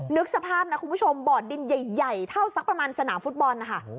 นึกสภาพนะคุณผู้ชมบ่อดินใหญ่เท่าสักประมาณสนามฟุตบอลนะคะ